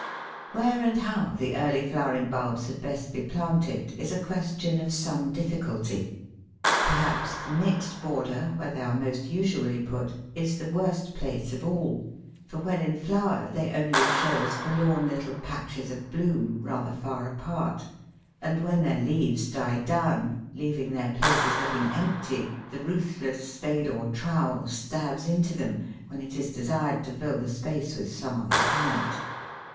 Where and how the early flowering bulbs had best be planted is a question of some difficulty. Perhaps the mixed border, where they are most usually put, is the worst place of all, for when in flower they only show as forlorn little patches of bloom rather far apart, and when their leaves die down, leaving their places looking empty, the ruthless spade or trowel stabs into them when it is desired to fill the space with some other plant.